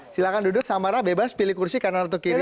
silahkan duduk samara bebas pilih kursi kanan atau kiri